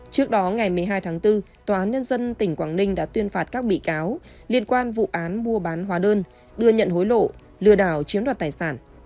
trước đó ngày một mươi hai tháng bốn tòa án nhân dân tỉnh quảng ninh đã tuyên phạt các bị cáo liên quan vụ án mua bán hóa đơn đưa nhận hối lộ lừa đảo chiếm đoạt tài sản